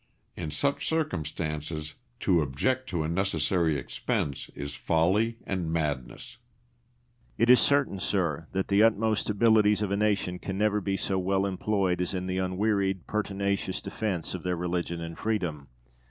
In such circumstances to object to a necessary expense is folly and madness. De Witt. It is certain, sir, that the utmost abilities of a nation can never be so well employed as in the unwearied, pertinacious defence of their religion and freedom.